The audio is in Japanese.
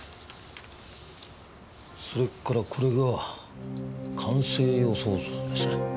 それからこれが完成予想図ですね。